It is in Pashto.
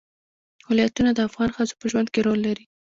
ولایتونه د افغان ښځو په ژوند کې رول لري.